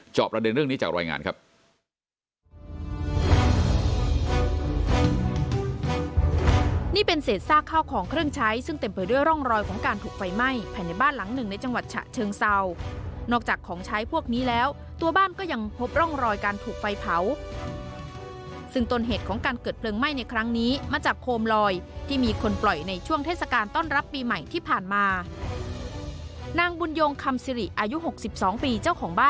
จอบประเด็นเรื่องนี้จากรายงานครับ